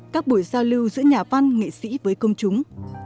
các buổi giao lưu giữa nhà văn nghệ sĩ với công chúng